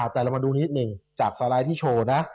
แต่เรามาดูนิดหนึ่งจากสไลด์ที่โชว์นะ